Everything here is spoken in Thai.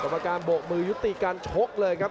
กรรมการโบกมือยุติการชกเลยครับ